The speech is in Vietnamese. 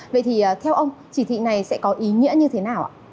vậy thì theo ông chỉ thị này sẽ có ý nghĩa như thế nào ạ